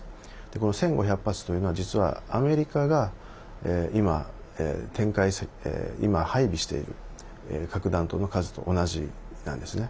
この１５００発というのは実はアメリカが今、配備している核弾頭の数と同じなんですね。